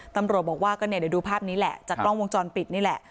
ตำรวจบอกว่าก็เนี่ยเดี๋ยวดูภาพนี้แหละจากกล้องวงจรปิดนี่แหละ